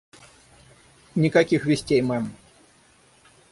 Никаких вестей, мэм.